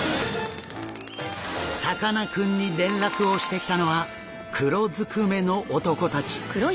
さかなクンに連絡をしてきたのは黒ずくめの男たち。